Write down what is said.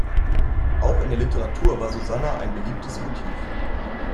Auch in der Literatur war Susanna ein beliebtes Motiv.